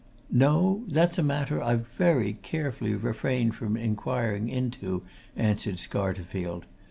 "No that's a matter I've very carefully refrained from inquiring into," answered Scarterfield.